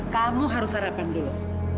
kamu harus sarapan dulu